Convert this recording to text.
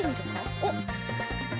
おっ！